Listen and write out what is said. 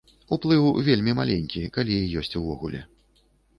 Уплыў вельмі маленькі, калі і ёсць увогуле.